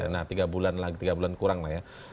nah tiga bulan lagi tiga bulan kurang lah ya